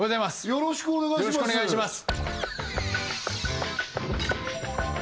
よろしくお願いします